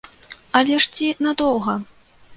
Але ж ці надоўга?